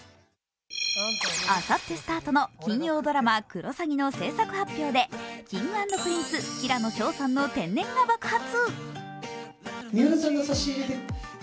あさってスタートの金曜ドラマ「クロサギ」の制作発表でＫｉｎｇ＆Ｐｒｉｎｃｅ、平野紫耀さんの天然が爆発。